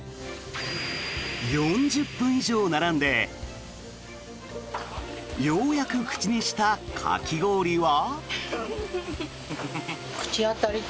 ４０分以上並んでようやく口にしたかき氷は。